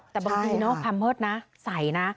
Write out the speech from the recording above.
แต่บางทีความเมิดใส่นะ